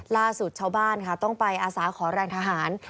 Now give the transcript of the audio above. ล่าสุดเฉาบ้านต้องไปอสาขอแรงทหาร